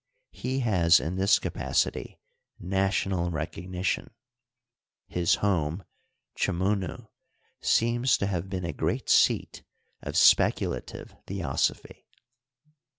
He has in this capacity national recognition. His home, Chmnnu, seems to nave been a great seat of speculative theosophy.